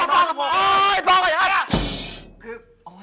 ป่อนป่อน